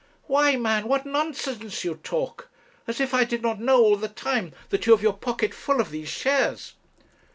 'Why, man, what nonsense you talk as if I did not know all the time that you have your pocket full of these shares.'